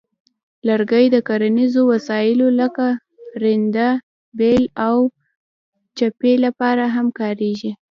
لرګي د کرنیزو وسایلو لکه رنده، بیل، او چپې لپاره هم کارېږي.